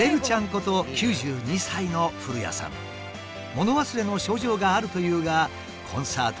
物忘れの症状があるというがコンサート